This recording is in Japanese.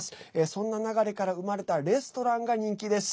そんな流れから生まれたレストランが人気です。